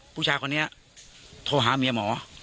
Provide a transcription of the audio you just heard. ผู้ชายคนนี้โทรหาเมียหมอ